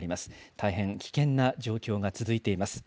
大変危険な状況が続いています。